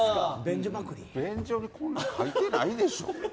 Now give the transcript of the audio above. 便所でこんなの書いてないでしょ。